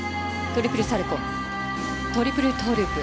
トリプルサルコウトリプルトウループ。